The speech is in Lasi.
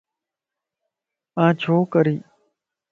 آن ڇوڪري